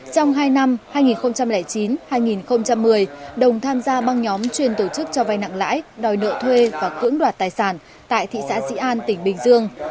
trong hai năm hai nghìn chín hai nghìn một mươi đồng tham gia băng nhóm chuyên tổ chức cho vai nặng lãi đòi nợ thuê và cưỡng đoạt tài sản tại thị xã dĩ an tỉnh bình dương